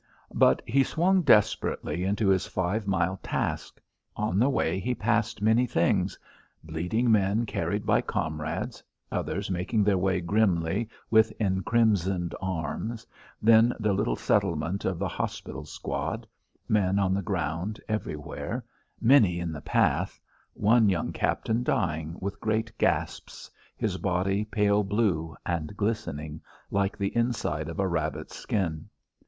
But he swung desperately into his five mile task. On the way he passed many things: bleeding men carried by comrades; others making their way grimly, with encrimsoned arms; then the little settlement of the hospital squad; men on the ground everywhere, many in the path; one young captain dying, with great gasps, his body pale blue, and glistening, like the inside of a rabbit's skin.